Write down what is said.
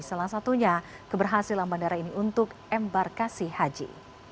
salah satunya keberhasilan bandara ini untuk embarkasi haji